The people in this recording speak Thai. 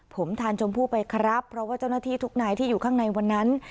ผมทานชมพู่ไปครับเพราะว่าเจ้าหน้าที่ทุกนายที่อยู่ข้างในวันนั้น